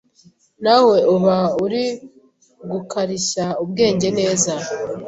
nawe uba uri gukarishya ubwenge neza